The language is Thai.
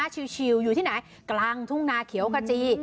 ชิวอยู่ที่ไหนกลางทุ่งนาเขียวขจี